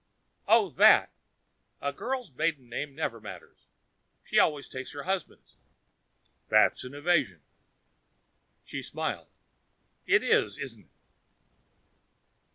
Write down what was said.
"Oh, that. A girl's maiden name never matters she always takes her husband's." "That's an evasion!" She smiled. "It is, isn't it?"